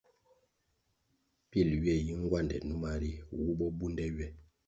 Pil ywe yi ngwande numa ri, wu bo bunde ywe.